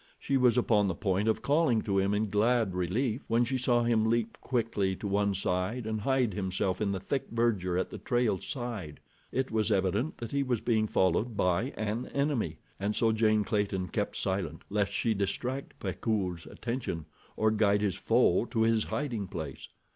She was upon the point of calling to him in glad relief when she saw him leap quickly to one side and hide himself in the thick verdure at the trail's side. It was evident that he was being followed by an enemy, and so Jane Clayton kept silent, lest she distract Frecoult's attention, or guide his foe to his hiding place.